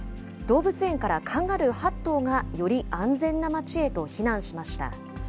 動物園からカンガルー８頭がより安全な町へと避難しました。